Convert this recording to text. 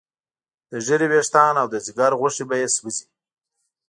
د ږیرې ویښتان او د ځیګر غوښې به یې سوځي.